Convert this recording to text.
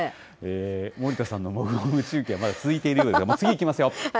森田さんのもぐもぐ中継はまだ続いているようですが、もう次いきますよ。